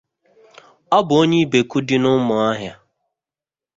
Ọ bụ onye Ịbeku dị n’Ụmụahịa